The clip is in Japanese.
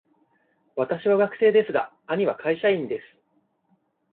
わたしは学生ですが、兄は会社員です。